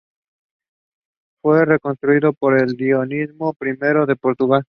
Fue reconstruido por Dionisio I de Portugal.